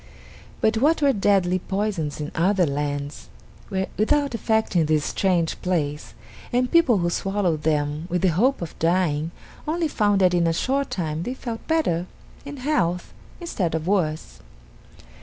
But what were deadly poisons in other lands were without effect in this strange place, and people who swallowed them with the hope of dying, only found that in a short time they felt better in health instead of worse.